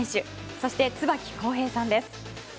そして椿浩平さんです。